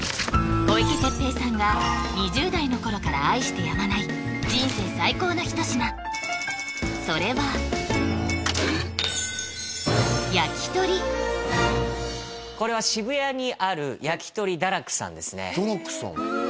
小池徹平さんが２０代の頃から愛してやまない人生最高の一品それはこれは渋谷にある焼き鳥陀らくさんですね